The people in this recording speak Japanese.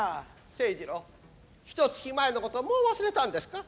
清二郎ひとつき前のこともう忘れたんですか。